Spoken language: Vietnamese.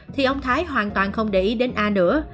thì ông thái hoàn toàn không để ý đến ai nữa